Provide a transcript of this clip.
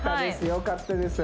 よかったです